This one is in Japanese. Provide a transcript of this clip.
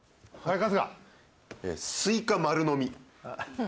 春日「スイカ丸飲み」